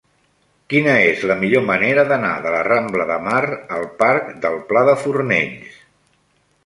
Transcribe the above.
Quina és la millor manera d'anar de la rambla de Mar al parc del Pla de Fornells?